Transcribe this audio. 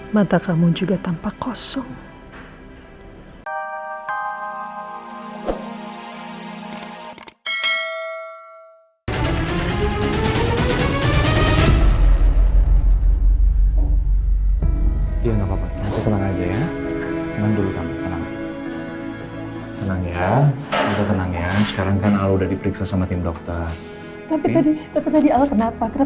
mata kamu juga tampak kosong